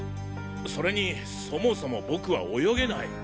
それにそもそも僕は泳げない。